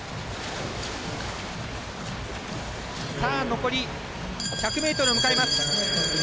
残り１００ｍを迎えます。